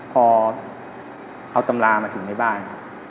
พอเอาตำรามาถึงในบ้านครับ